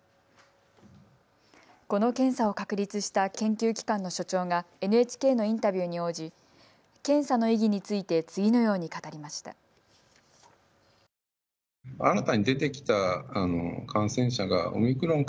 この検査を確立した研究機関の所長がＮＨＫのインタビューに応じ、検査の意義について次のように語りました。